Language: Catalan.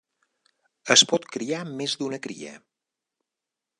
Es pot criar més d'una cria.